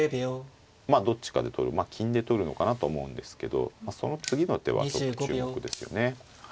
まあ金で取るのかなと思うんですけどその次の手はちょっと注目ですよね。